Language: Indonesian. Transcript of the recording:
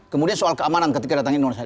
kemudian soal keamanan ketika datang indonesia